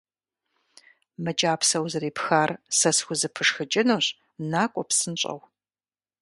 - Мы кӀапсэ узэрепхар сэ схузэпышхыкӀынущ, накӀуэ псынщӀэу!